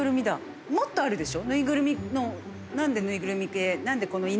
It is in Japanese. いやもっとあるでしょ。